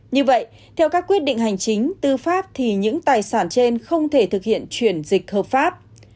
như vậy theo các quyết định hành chính tư pháp thì những tài sản trên không thể thực hiện chuyển dịch hợp pháp